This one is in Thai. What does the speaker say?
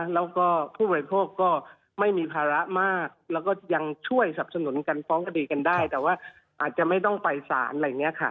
แล้วก็ผู้บริโภคก็ไม่มีภาระมากแล้วก็ยังช่วยสับสนุนกันฟ้องคดีกันได้แต่ว่าอาจจะไม่ต้องไปสารอะไรอย่างนี้ค่ะ